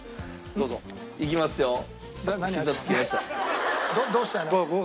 どうしたの？